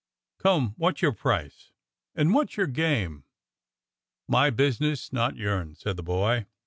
Come, wot's your price .f^" "And wot's your game?" "My business, not yourn," said the boy.